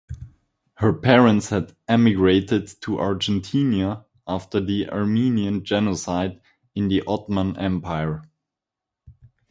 Her parents had emigrated to Argentina after the Armenian genocide in the Ottoman empire.